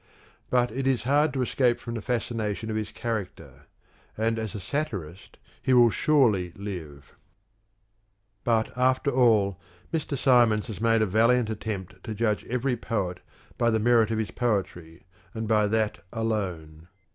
But it is hard to escape from the fascination of his character ; and as a satirist he will surely live. But, after all, Mr. Symons has made a valiant attempt to judge every poet by the merit of his poetry, and by that alone.